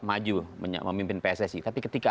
maju memimpin pssi tapi ketika